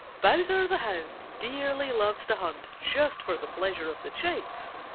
—Old Granny Fox. Bowser The Hound dearly loves to hunt just for the pleasure of the chase.